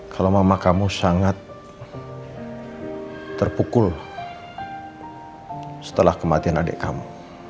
kalau mama kamu sangat terpukul setelah kematian adik kamu